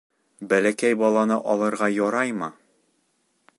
Бәләкәй баланы алырға яраймы?